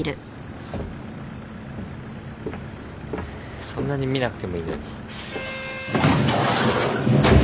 そんなに見なくてもいいのに。